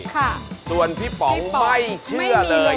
ค่ะส่วนพี่ป๋องไม่เชื่อเลย